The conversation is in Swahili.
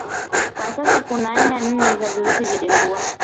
Kwa sababu kuna aina nne za virusi vya Dengua